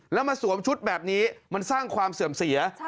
แล้วมาสวมชุดแบบนี้มันสร้างความเสื่อมเสีย